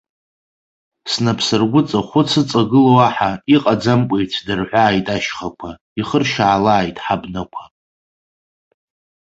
Снапсыргәыҵа хәыц ыҵагылоу аҳа, иҟаӡамкәа ицәдырҳәааит ашьхақәа, ихыршьаалааит ҳабнақәа.